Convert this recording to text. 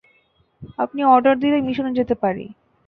আপনি অর্ডার দিলে মিশনে যেতে পারি।